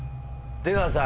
出川さん。